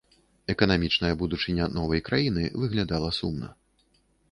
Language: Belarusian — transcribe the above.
Эканамічная будучыня новай краіны выглядала сумна.